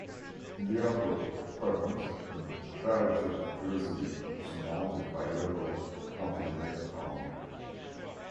In the upper quadrant the badge of Jersey surmounted by a yellow "Plantagenet crown".